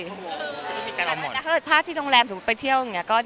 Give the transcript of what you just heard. แต่ถ้าเกิดภาพที่โรงแรมสมมุติไปเที่ยวอย่างนี้